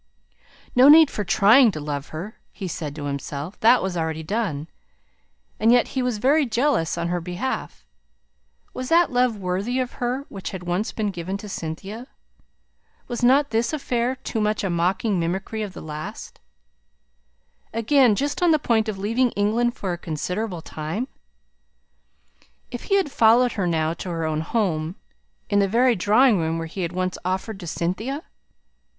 No need for "trying" to love her, he said to himself, that was already done. And yet he was very jealous on her behalf. Was that love worthy of her which had once been given to Cynthia? Was not this affair too much a mocking mimicry of the last again just on the point of leaving England for a considerable time if he followed her now to her own home, in the very drawing room where he had once offered to Cynthia?